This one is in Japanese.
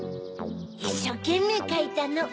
いっしょうけんめいかいたの。